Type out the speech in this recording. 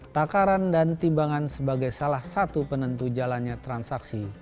takaran dan timbangan sebagai salah satu penentu jalannya transaksi